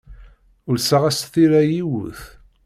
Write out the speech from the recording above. Ulseɣ-as tira i yiwet.